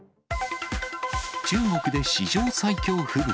中国で史上最強吹雪。